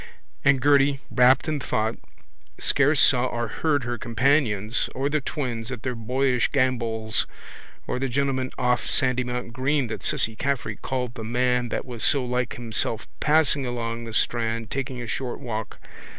And Gerty, rapt in thought, scarce saw or heard her companions or the twins at their boyish gambols or the gentleman off Sandymount green that Cissy Caffrey called the man that was so like himself passing along the strand taking a short walk.